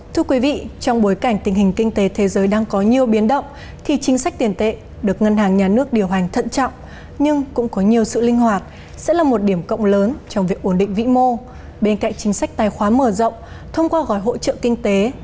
thưa quý vị trong bối cảnh tình hình kinh tế thế giới đang có nhiều biến động thì chính sách tiền tệ được ngân hàng nhà nước điều hành thận trọng nhưng cũng có nhiều sự linh hoạt sẽ là một điểm cộng lớn trong việc ổn định vĩ mô bên cạnh chính sách tài khoá mở rộng thông qua gói hỗ trợ kinh tế